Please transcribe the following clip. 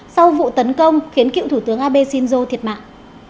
sau vụ tấn công khiến cựu thủ tướng abe shinzo thiệt mạng